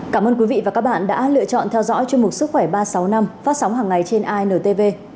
cảm ơn quý vị và các bạn đã lựa chọn theo dõi chương mục sức khỏe ba trăm sáu mươi năm phát sóng hàng ngày trên intv